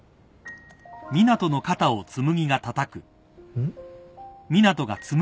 うん？